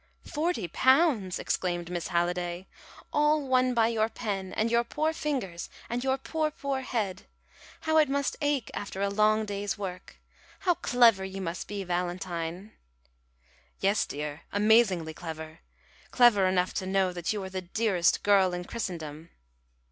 "Forty pounds!" exclaimed Miss Halliday, "all won by your pen, and your poor fingers, and your poor, poor head! How it must ache after a long day's work! How clever you must be, Valentine!" "Yes, dear; amazingly clever. Clever enough to know that you are the dearest girl in Christendom."